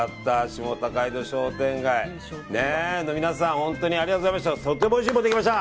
下高井戸商店街の皆さん、本当にありがとうございました。